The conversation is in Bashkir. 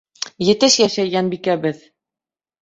Етеш йәшәй Йәнбикәбеҙ.